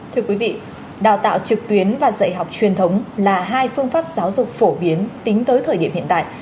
thưa quý vị đào tạo trực tuyến và dạy học truyền thống là hai phương pháp giáo dục phổ biến tính tới thời điểm hiện tại